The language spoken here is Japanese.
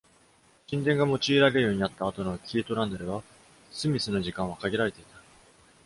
神殿が用いられるようになった後の Kirtland での Smiｔｈ の時間は、限られていた。